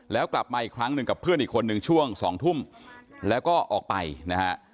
แล้วกลับมาอีกครั้งหนึ่งกับเพื่อนอีกคนนึงช่วง๒ทุ่มแล้วก็ออกไปนะฮะ